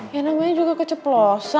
ya namanya juga keceplosan mah